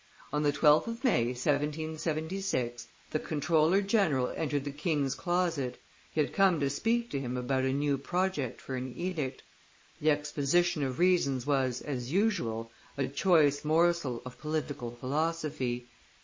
On the 12th of May, 1776, the comptroller general entered the king's closet; he had come to speak to him about a new project for an edict; the exposition of reasons was, as usual, a choice morsel of political philosophy.